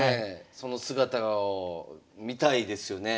その姿を見たいですよね。